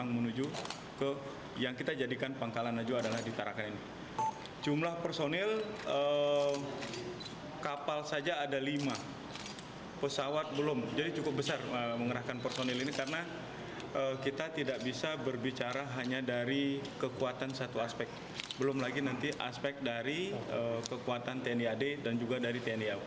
pemerintah indonesia juga terus berkoordinasi dengan pemerintah filipina melalui kementerian luar negeri